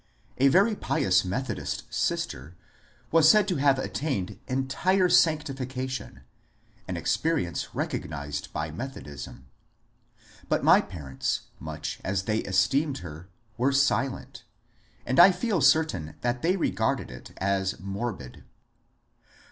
A very pious Methodist *' sister " was said to have attained " entire sanctification," an experience recognized by Methodism ; but my parents, much as they es teemed her, were silent, and I feel certain that they regarded it as morbid.